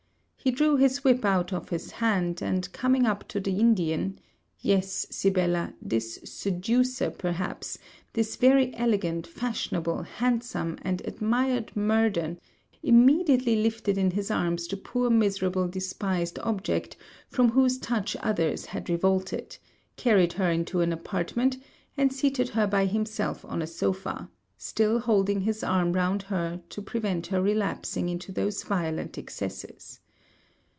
He threw his whip out of his hand, and coming up to the Indian yes, Sibella, this seducer perhaps, this very elegant, fashionable, handsome, and admired Murden immediately lifted in his arms the poor miserable despised object, from whose touch others had revolted, carried her into an apartment, and seated her by himself on a sopha, still holding his arm round her to prevent her relapsing into those violent excesses.